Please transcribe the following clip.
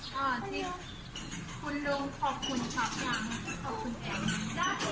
คุณลุงขอบคุณครับอย่างนี้ขอบคุณแม่